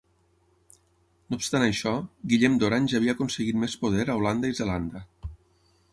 No obstant això, Guillem d'Orange havia aconseguit més poder a Holanda i Zelanda.